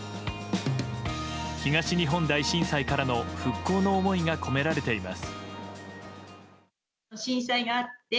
東日本大震災からの復興の思いが込められています。